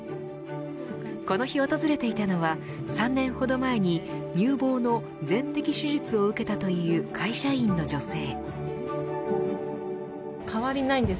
この日訪れていたのは３年ほど前に乳房の全摘手術を受けたという会社員の女性。